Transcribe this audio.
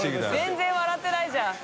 全然笑ってないじゃん。